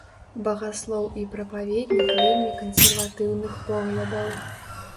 Багаслоў і прапаведнік вельмі кансерватыўных поглядаў.